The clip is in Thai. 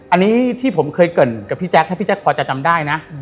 อันนี้ที่ผมเคยเกิดกับพี่แจ๊คถ้าพี่แจ๊คพอจะจำได้นะ